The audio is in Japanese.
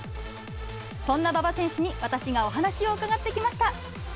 そんな馬場選手に私がお話を伺ってきました。